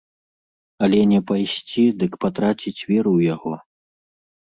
Але не пайсці, дык патраціць веру ў яго.